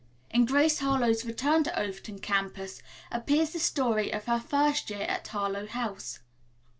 In "Grace Harlowe's Return To Overton Campus" appears the story of her first year at Harlowe House.